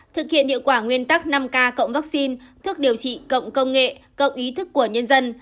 thực hiện hiệu quả nguyên tắc năm k cộng vaccine thuốc điều trị cộng công nghệ cộng ý thức của nhân dân